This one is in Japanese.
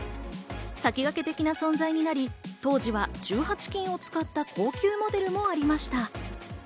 先駆け的な存在になり、当時は１８金を使った高級モデルもありました。